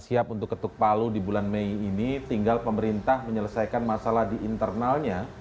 siap untuk ketuk palu di bulan mei ini tinggal pemerintah menyelesaikan masalah di internalnya